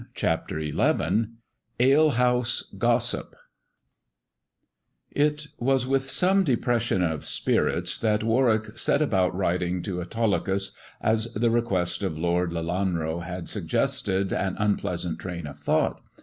CHAPTER XI ALEHOUSE GOSSIP IT was with some depression of spirits that Warwick set about writing to Autolycus, as the request of Lord Lielanro had suggested an unpleasant train of thought.